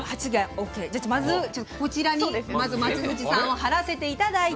まず５番に松藤さんを貼らせていただいて。